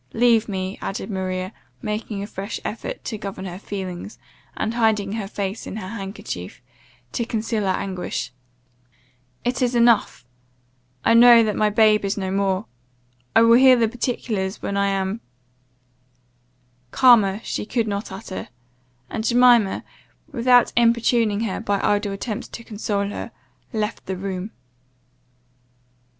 "Leave me," added Maria, making a fresh effort to govern her feelings, and hiding her face in her handkerchief, to conceal her anguish "It is enough I know that my babe is no more I will hear the particulars when I am" calmer, she could not utter; and Jemima, without importuning her by idle attempts to console her, left the room.